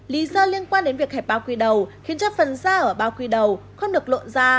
lý do liên quan đến việc hẹp bao quy đầu khiến cho phần ra ở bao quy đầu không được lộn ra